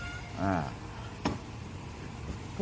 อ่า